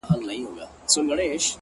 زړه ته د ښايست لمبه پوره راغلې نه ده؛